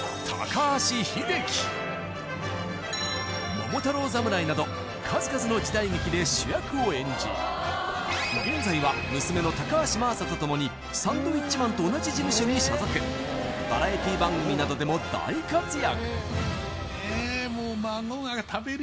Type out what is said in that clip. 「桃太郎侍」など数々の時代劇で主役を演じ現在は娘の高橋真麻とともにサンドウィッチマンと同じ事務所に所属バラエティー番組などでも大活躍